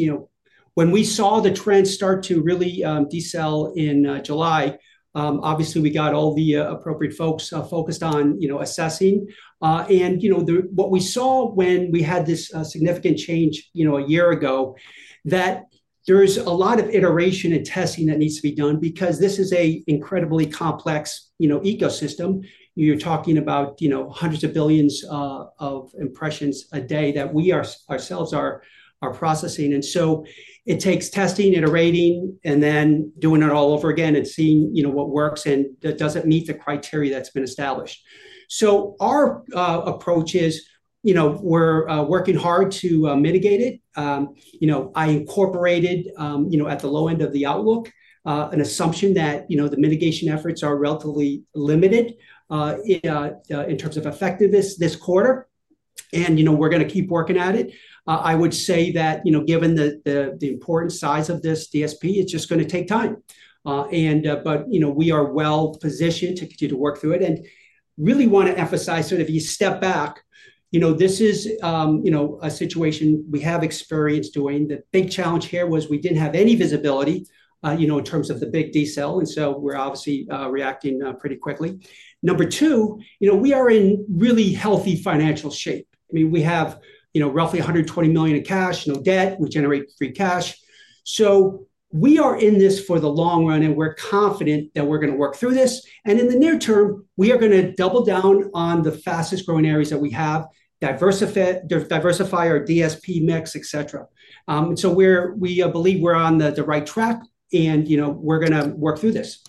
Speaker 4: when we saw the trend start to really decel in July, obviously, we got all the appropriate folks focused on assessing. What we saw when we had this significant change a year ago is that there's a lot of iteration and testing that needs to be done because this is an incredibly complex ecosystem. You're talking about hundreds of billions of impressions a day that we ourselves are processing. It takes testing, iterating, and then doing it all over again and seeing what works and does it meet the criteria that's been established. Our approach is we're working hard to mitigate it. I incorporated at the low end of the outlook an assumption that the mitigation efforts are relatively limited in terms of effectiveness this quarter. We're going to keep working at it. I would say that given the important size of this DSP, it's just going to take time. We are well positioned to continue to work through it. I really want to emphasize sort of the step back. This is a situation we have experience doing. The big challenge here was we didn't have any visibility in terms of the big decel. We're obviously reacting pretty quickly. Number two, we are in really healthy financial shape. We have roughly $120 million in cash, no debt. We generate free cash. We are in this for the long run, and we're confident that we're going to work through this. In the near term, we are going to double down on the fastest growing areas that we have, diversify our DSP mix, et cetera. We believe we're on the right track, and we're going to work through this.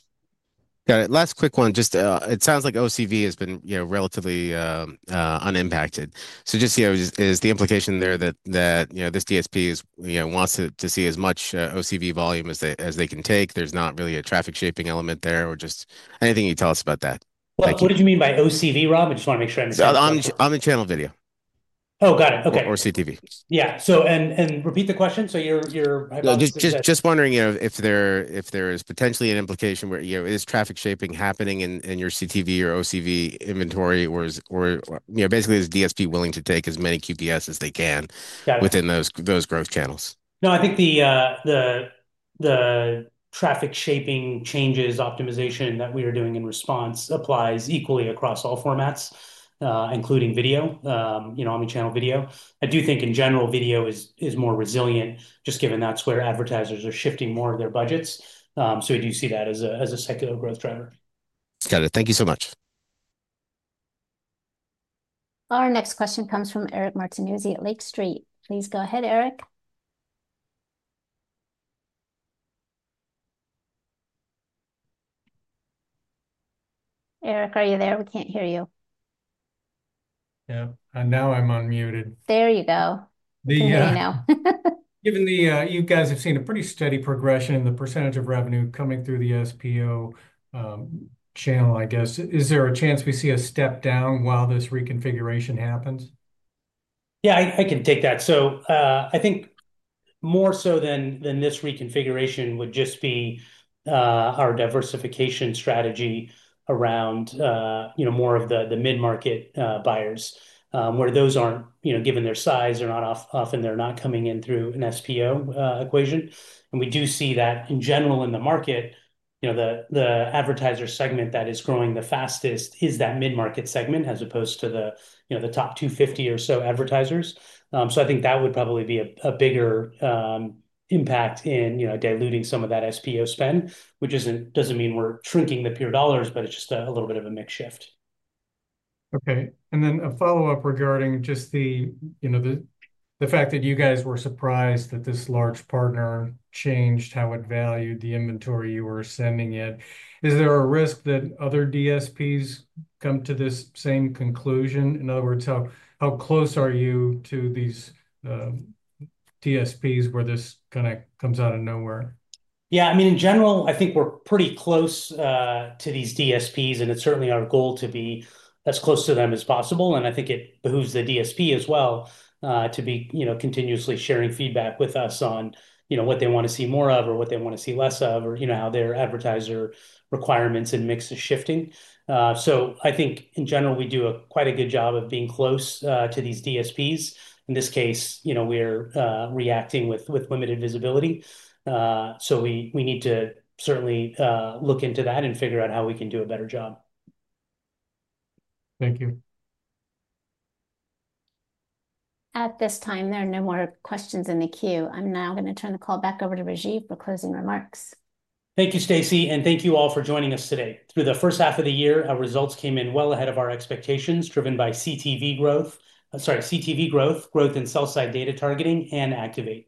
Speaker 11: Got it. Last quick one. It sounds like CTV has been relatively unimpacted. Is the implication there that this DSP wants to see as much CTV volume as they can take? There's not really a traffic shaping element there or just anything you tell us about that.
Speaker 3: What did you mean by OCV, Rob? I just want to make sure I understand.
Speaker 11: On the omnichannel video.
Speaker 3: Oh, got it. Okay.
Speaker 11: Or CTV.
Speaker 3: Yeah, repeat the question. You're hypothesizing.
Speaker 11: Just wondering if there is potentially an implication where, you know, is traffic shaping happening in your CTV or OCV inventory, or, you know, basically is the DSP willing to take as many QPS as they can within those growth channels?
Speaker 3: No, I think the traffic shaping changes, optimization that we are doing in response applies equally across all formats, including video, you know, omnichannel video. I do think in general video is more resilient, just given that's where advertisers are shifting more of their budgets. We do see that as a secular growth driver.
Speaker 11: Got it. Thank you so much.
Speaker 2: Our next question comes from Eric Martinuzzi at Lake Street. Please go ahead, Eric. Eric, are you there? We can't hear you.
Speaker 12: Yeah, now I'm unmuted.
Speaker 2: There you go.
Speaker 12: Yeah.
Speaker 2: Let me know.
Speaker 12: Given the, you guys have seen a pretty steady progression, the percent of revenue coming through the SBO channel, I guess, is there a chance we see a step down while this reconfiguration happens?
Speaker 3: Yeah, I can take that. I think more so than this reconfiguration would just be our diversification strategy around, you know, more of the mid-market buyers, where those aren't, you know, given their size, they're not often, they're not coming in through an SBO equation. We do see that in general in the market, you know, the advertiser segment that is growing the fastest is that mid-market segment as opposed to the, you know, the top 250 or so advertisers. I think that would probably be a bigger impact in, you know, diluting some of that SBO spend, which doesn't mean we're shrinking the pure dollars, but it's just a little bit of a mixed shift.
Speaker 12: Okay. A follow-up regarding just the fact that you guys were surprised that this large partner changed how it valued the inventory you were sending it. Is there a risk that other DSPs come to this same conclusion? In other words, how close are you to these DSPs where this kind of comes out of nowhere?
Speaker 3: Yeah, I mean, in general, I think we're pretty close to these DSPs, and it's certainly our goal to be as close to them as possible. I think it behooves the DSP as well to be continuously sharing feedback with us on what they want to see more of or what they want to see less of or how their advertiser requirements and mix is shifting. I think in general, we do quite a good job of being close to these DSPs. In this case, we are reacting with limited visibility. We need to certainly look into that and figure out how we can do a better job.
Speaker 12: Thank you.
Speaker 2: At this time, there are no more questions in the queue. I'm now going to turn the call back over to Rajeev for closing remarks.
Speaker 3: Thank you, Stacie, and thank you all for joining us today. Through the first half of the year, our results came in well ahead of our expectations, driven by CTV growth, growth in sell-side data targeting, and Activate.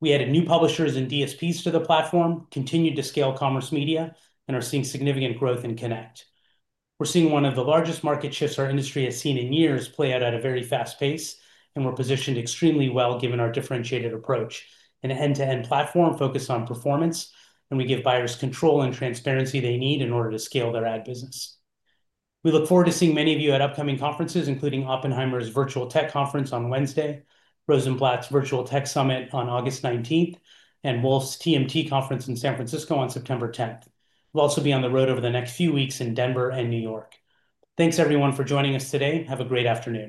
Speaker 3: We added new publishers and DSPs to the platform, continued to scale commerce media, and are seeing significant growth in Connect. We're seeing one of the largest market shifts our industry has seen in years play out at a very fast pace, and we're positioned extremely well given our differentiated approach. An end-to-end platform focused on performance, and we give buyers control and transparency they need in order to scale their ad business. We look forward to seeing many of you at upcoming conferences, including Oppenheimer's Virtual Tech Conference on Wednesday, Rosenblatt's Virtual Tech Summit on August 19, and Wolfe's TMT Conference in San Francisco on September 10. We'll also be on the road over the next few weeks in Denver and New York. Thanks, everyone, for joining us today. Have a great afternoon.